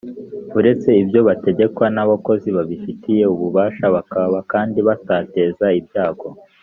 uretse ibyo bategekwa n‘abakozi babifitiye ububasha bakaba kandi batateza ibyago